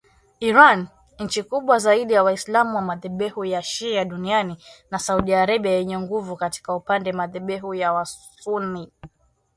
Iran, nchi kubwa zaidi ya waislamu wa madhehebu ya shia duniani, na Saudi Arabia yenye nguvu katika upande madhehebu ya wasunni